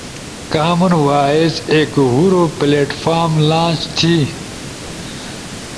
کامن وائس ایک ہورو پلیٹ فارم لانچ تھی،